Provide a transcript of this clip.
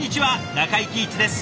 中井貴一です。